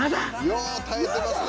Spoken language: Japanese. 「よう耐えてますね」